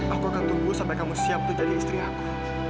aku akan tunggu sampai kamu siap untuk jadi istri aku